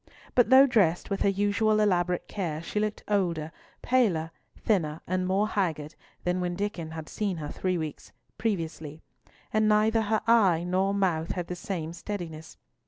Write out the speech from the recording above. But though dressed with her usual elaborate care, she looked older, paler, thinner, and more haggard than when Diccon had seen her three weeks previously, and neither her eye nor mouth had the same steadiness.